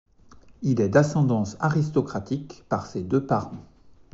Il est d'ascendance aristocratique par ses deux parents.